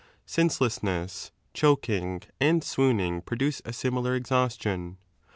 Senaelesaneas, choking, and Bwooning produce a similar esbaustion.